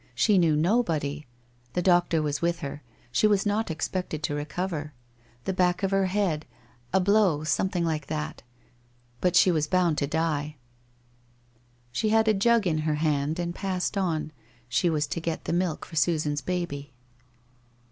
She knew nobody. The doctor was with her. She was not expected to recover. The back of her head — a blow — something like that ! But she was bound to die. She had a jug in her hand and passed on, she was to get the milk for Susan's baby.